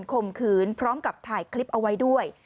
ข่มขืนพร้อมกับถ่ายคลิปเอาไว้ด้วย